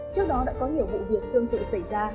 trước đó đã có nhiều vụ việc tương tự xảy ra